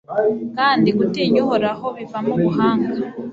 kandi gutinya uhoraho bivamo ubuhanga